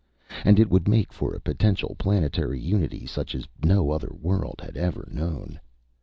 And it would make for a potential planetary unity such as no other world had ever known.